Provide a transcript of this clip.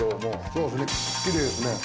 そうですね奇麗ですね。